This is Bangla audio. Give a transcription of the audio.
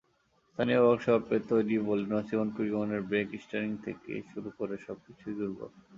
স্থানীয় ওয়ার্কশপে তৈরি বলে নছিমন-করিমনের ব্রেক, স্টিয়ারিং থেকে শুরু করে সবকিছুই দুর্বল।